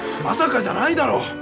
まさかじゃないだろう！